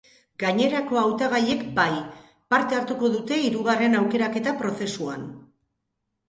Gainerako hautagaiek bai, parte hartuko dute hirugarren aukeraketa prozesuan.